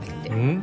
ん？